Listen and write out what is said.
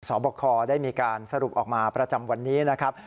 บคได้มีการสรุปออกมาประจำวันนี้นะครับ